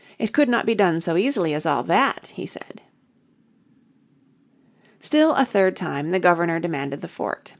It could not be done so easily as all that, he said. Still a third time the Governor demanded the fort.